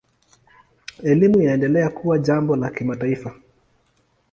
Elimu inaendelea kuwa jambo la kimataifa.